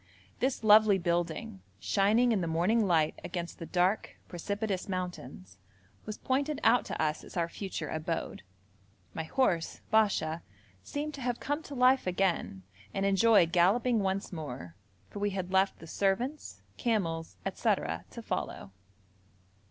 This lovely building, shining in the morning light against the dark precipitous mountains, was pointed out to us as our future abode. My horse, Basha, seemed to have come to life again and enjoy galloping once more, for we had left the servants, camels, &c. to follow.